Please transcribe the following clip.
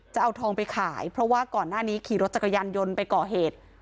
จะเอาทองไปขายเพราะว่าก่อนหน้านี้ขี่รถจักรยานยนต์ไปก่อเหตุ